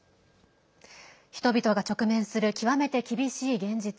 人々が直面する極めて厳しい現実。